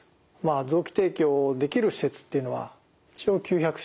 臓器提供できる施設っていうのは一応９００施設ぐらい。